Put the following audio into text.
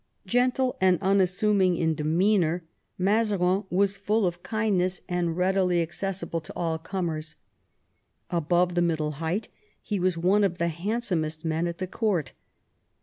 rGentle and unassuming in demeanour, Mazarin was full of kindness and readily accessible to 168 MAZARIN ohap. all comers. Above the middle height, he was one of the handsomest men at the court.